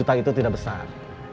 kami nggak selesai